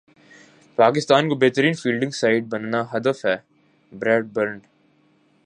پاکستان کو بہترین fielding side بنانا ہدف ہے بریڈ برن